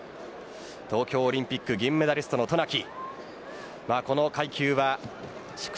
東京オリンピック銀メダリストの渡名喜。